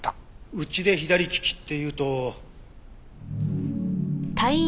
うちで左利きっていうと。